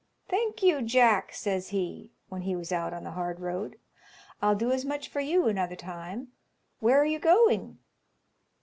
"Thank you, Jack," says he, when he was out on the hard road; "I'll do as much for you another time. Where are you going?"